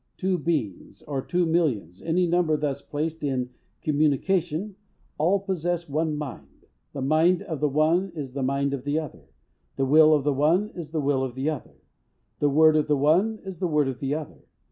Two beings, or two millions any number thus placed in "communication" all possess one mind. The mind of the one is the mind of the other, the will of the one is the will of the other, the word of the one is the word of the other.